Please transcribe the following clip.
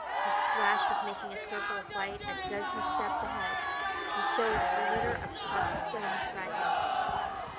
His flash was making a circle of light a dozen steps ahead, and showed a litter of sharp stone fragments.